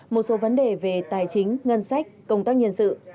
một số vấn đề về tài chính ngân sách công tác nhân sự